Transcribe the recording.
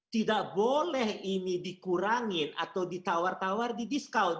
tidak boleh ini dikurangin atau ditawar tawar di discount